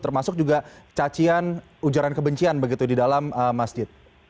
termasuk juga cacian ujaran kebencian begitu di dalam masjid